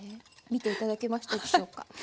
見て頂けましたでしょうか。